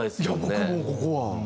僕もここは。